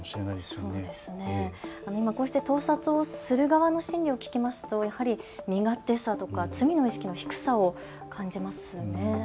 そうですね、そうしてして盗撮をする側の心理を聞きますと、やはり身勝手さとか罪の意識の低さを感じます。